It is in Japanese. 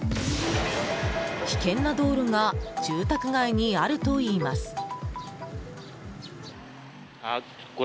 危険な道路が住宅街にあるといいます。